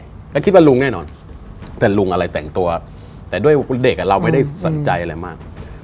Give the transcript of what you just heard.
แล้วคิดว่าลุงแน่นอนแต่ลุงอะไรแต่งตัวแต่ด้วยเด็กอ่ะเราไม่ได้สนใจอะไรมาก